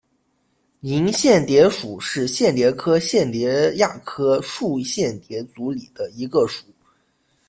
莹蚬蝶属是蚬蝶科蚬蝶亚科树蚬蝶族里的一个属。